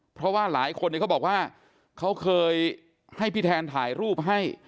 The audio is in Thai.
เพราะว่าหลายคนเขาบอกว่าเขาเคยให้พี่แทนถ่ายรูปให้